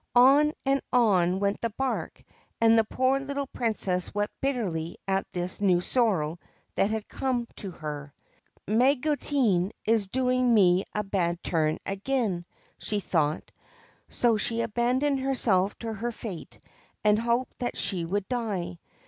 On and on went the barque and the poor little Princess wept bitterly at this new sorrow that had come to her. ' Magotine is doing me a bad turn again,' she thought, so she abandoned herself to her fate, hoping that she would die.